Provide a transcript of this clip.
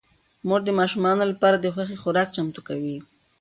مور د ماشومانو لپاره د خوښې خوراک چمتو کوي